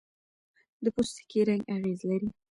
د پوستکي رنګ اغېز لري.